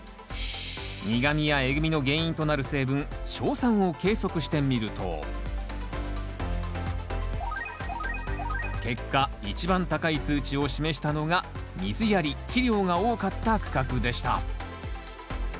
苦みやえぐみの原因となる成分硝酸を計測してみると結果一番高い数値を示したのが水やり肥料が多かった区画でした。